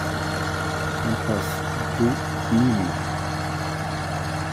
Impasse Pitot, Nîmes